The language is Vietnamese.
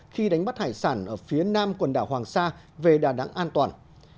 khi đánh bắt hải sản ở phía nam quần đảo hoàng sa về đà đắng an toàn